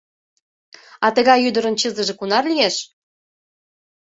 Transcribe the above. — А тыгай ӱдырын чызыже кунар лиеш?